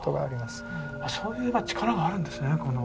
そういう力があるんですね